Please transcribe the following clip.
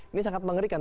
ini sangat mengerikan